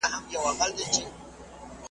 دواړه په یوه اندازه اهمیت لري ,